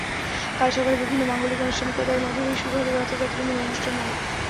কাল সকালে বিভিন্ন মাঙ্গলিক আনুষ্ঠানিকতার মধ্য দিয়ে শুরু হবে রথযাত্রার মূল অনুষ্ঠানমালা।